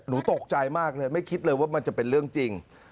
ตกใจมากเลยไม่คิดเลยว่ามันจะเป็นเรื่องจริง